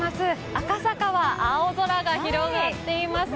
赤坂は青空が広がっています。